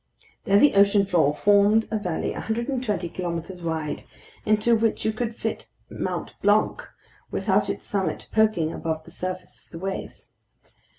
There the ocean floor formed a valley 120 kilometers wide, into which you could fit Mt. Blanc without its summit poking above the surface of the waves.